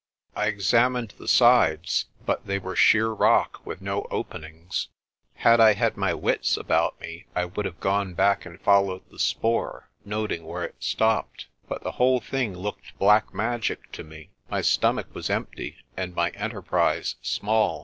I examined the sides, but they were sheer rock with no openings. Had I had my wits about me, I would have gone back and followed the spoor, noting where it stopped. But the whole thing looked black magic to me; my stomach was empty and my enterprise small.